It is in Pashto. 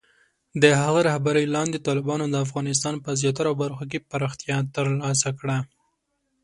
د هغه رهبرۍ لاندې، طالبانو د افغانستان په زیاتره برخو کې پراختیا ترلاسه کړه.